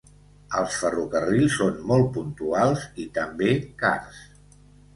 Els ferrocarrils són molt puntuals i també cars.